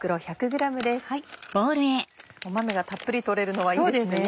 豆がたっぷり取れるのはいいですね。